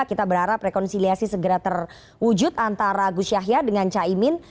kita berharap rekonsiliasi segera terwujud antara gus yahya dengan caimin